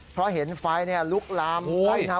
เพราะเห็นไฟลุกลามใกล้น้ำ